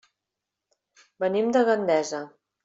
Venim de Gandesa.